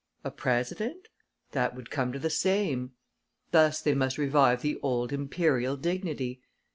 A "president"? That would come to the same. Thus they must revive the old Imperial dignity.